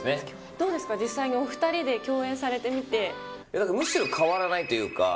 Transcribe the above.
どうですか、実際にお２人でむしろ変わらないというか。